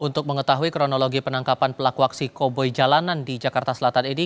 untuk mengetahui kronologi penangkapan pelaku aksi koboi jalanan di jakarta selatan ini